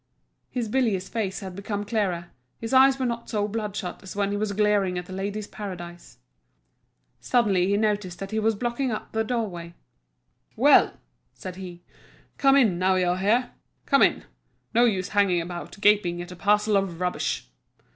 His bilious face had become clearer, his eyes were not so bloodshot as when he was glaring at The Ladies' Paradise. Suddenly he noticed that he was blocking up the doorway. "Well," said he, "come in, now you're here. Come in, no use hanging about gaping at a parcel of rubbish."